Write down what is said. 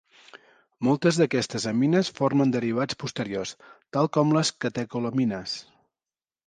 Moltes d'aquestes amines formen derivats posteriors, tals com les catecolamines.